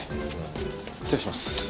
失礼します。